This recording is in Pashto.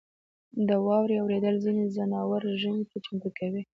• د واورې اورېدل ځینې ځناور ژمي ته چمتو کوي.